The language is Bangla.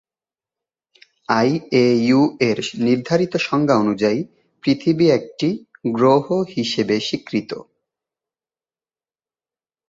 আইএইউ এর নির্ধারিত সংজ্ঞা অনুযায়ী, পৃথিবী একটি "গ্রহ" হিসেবে স্বীকৃত।